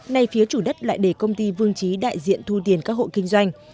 nay phía chủ đất lại để công ty vương trí đại diện thu tiền các hộ kinh doanh